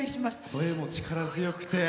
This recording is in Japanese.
声も力強くて。